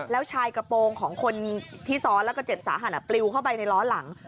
แล้วชายกระโปรงของคนที่ซ้อนแล้วก็เจ็บสาหัสปลิวเข้าไปในล้อหลัง